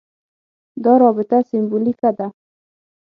دا رابطه سېمبولیکه ده.